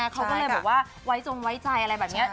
เขาก็เลยบอกว่าไว้จงไว้ใจอะไรแบบนี้